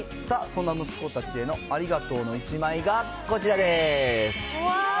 そんな息子たちへのありがとうの１枚がこちらです。